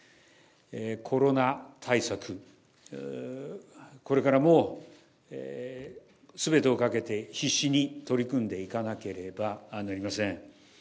コロナ対策、これからもすべてをかけて、必死に取り組んでいかなければなりません。